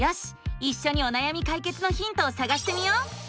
いっしょにおなやみ解決のヒントをさがしてみよう！